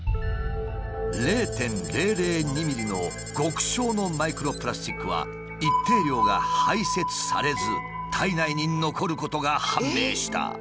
０．００２ｍｍの極小のマイクロプラスチックは一定量が排せつされず体内に残ることが判明した。